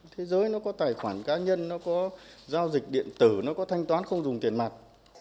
thế giới nó có tài khoản cá nhân nó có giao dịch điện tử nó có thanh toán không dùng tiền mặt